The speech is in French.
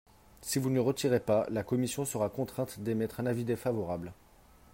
Si vous ne le retirez pas, la commission sera contrainte d’émettre un avis défavorable.